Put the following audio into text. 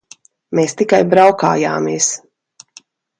Mēs tikai braukājāmies.